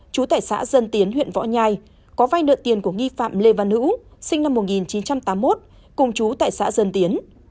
chú tại xã dân tiến huyện võ nhai có vai nợ tiền của nghi phạm lê văn hữu sinh năm một nghìn chín trăm tám mươi một cùng chú tại xã dân tiến